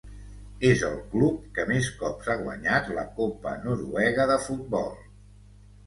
És el club que més cops ha guanyat la Copa noruega de futbol.